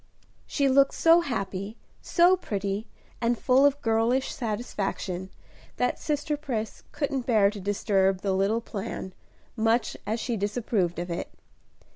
She looked so happy, so pretty, and full of girlish satisfaction, that sister Pris couldn't bear to disturb the little plan, much as she disapproved of it.